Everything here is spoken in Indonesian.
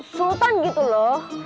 sultan gitu loh